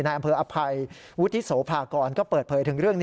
อำเภออภัยวุฒิโสภากรก็เปิดเผยถึงเรื่องนี้